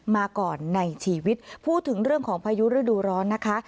มาก่อนในชีวิตพูดถึงเรื่องของพายุฤดูร้อนนะคะ